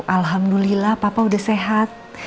alhamdulillah papa udah sehat